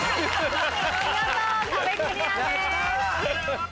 見事壁クリアです。